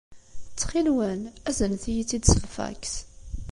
Ttxil-wen, aznet-iyi-tt-id s lfaks.